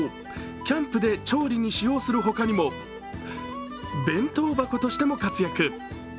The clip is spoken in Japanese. キャンプで調理に使用するほかにも弁当箱としても活躍。